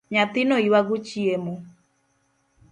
Nyathino yuago chiemo